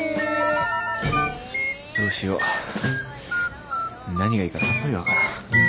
どうしよう何がいいかさっぱり分からん。